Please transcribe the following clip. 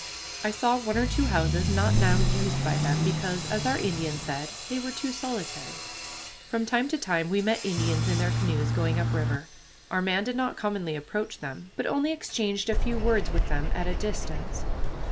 I saw one or two houses not now used by them, because, as our Indian said, they were too solitary. From time to time we met Indians in their canoes going up river. Our man did not commonly approach them, but only exchanged a few words with them at a distance.